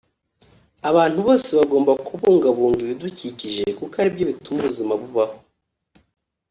abantu bose bagomba kubungabunga ibidukikije kuko ari byo bituma ubuzima bubaho